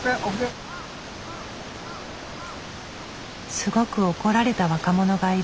すごく怒られた若者がいる。